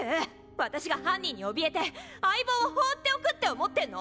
私が犯人に怯えて相棒を放っておくって思ってんの⁉